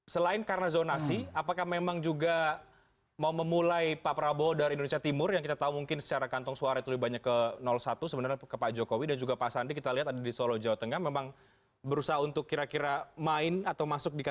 selain karena zonasi apakah memang juga mau memulai pak prabowo dari indonesia timur yang kita tahu mungkin secara kantong suara itu lebih banyak ke satu sebenarnya ke pak jokowi dan juga pak sandi kita lihat ada di solo jawa tengah memang berusaha untuk kira kira main atau masuk di kanal